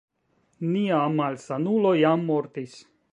Nia malsanulo jam mortis